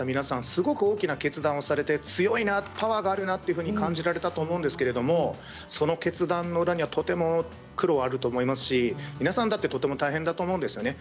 すごく大きな決断をされて強いなパワーがあるなと感じられたと思うんですけれどその決断の裏にはとても苦労があると思いますし皆さんだってとても大変だと思うんですよね。